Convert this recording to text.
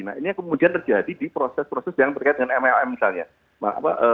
nah ini yang kemudian terjadi di proses proses yang terkait dengan mlm misalnya